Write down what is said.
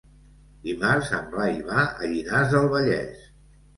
Dimarts en Blai va a Llinars del Vallès.